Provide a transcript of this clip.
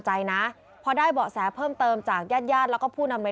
ใจนะพอได้เบาะแสเพิ่มเติมจากญาติญาติแล้วก็ผู้นำใน